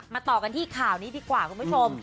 ต่อกันที่ข่าวนี้ดีกว่าคุณผู้ชม